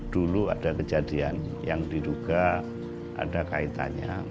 dulu ada kejadian yang diduga ada kaitannya